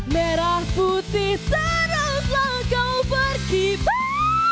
merah putih saraplah kau berkibar